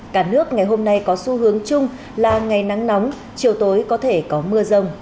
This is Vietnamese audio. cả nước ngày hôm nay có xu hướng chung là ngày nắng nóng chiều tối có thể có mưa rông